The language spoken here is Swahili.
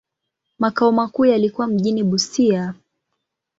Makao makuu yalikuwa mjini Busia.